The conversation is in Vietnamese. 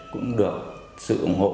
cũng được sự ủng hộ